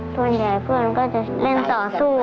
ส่วนใหญ่เพื่อนก็จะเล่นต่อสู้